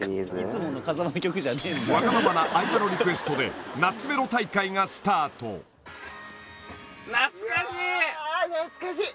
ワガママな相葉のリクエストで懐メロ大会がスタート懐かしい！